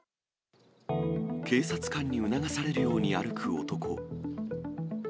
警察官に促されるように歩く男。